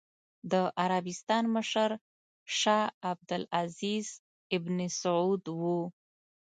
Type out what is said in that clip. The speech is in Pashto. د عربستان مشر شاه عبد العزېز ابن سعود و.